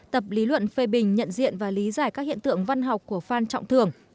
tập lý luận phê bình nhận diện và lý giải các hiện tượng văn học của phan trọng thường